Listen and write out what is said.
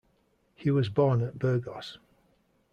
He was born at Burgos.